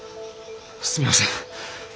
すみません。